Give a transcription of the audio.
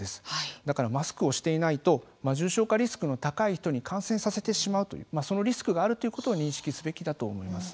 だから、マスクをしていないと重症化リスクの高い人に感染させてしまうというそのリスクがあるということを認識すべきだと思います。